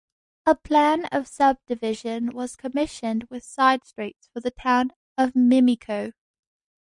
A plan of subdivision was commissioned with side-streets for the 'Town of Mimico'.